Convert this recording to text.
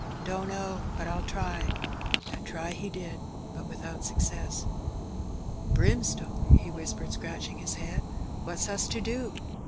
"Dunno, but I'll try;" and try he did, but without success. "Brimstone !" he whispered, scratching his head: "what's us to do